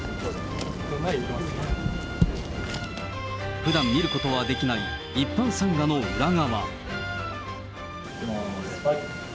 ふだん見ることはできない一般参賀の裏側。